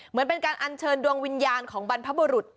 เหมือนเป็นการอัญเชิญดวงวิญญาณของบรรพบุรุษ